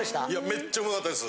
めっちゃうまかったです。